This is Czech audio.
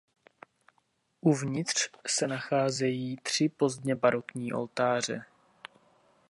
Uvnitř se nacházejí tři pozdně barokní oltáře.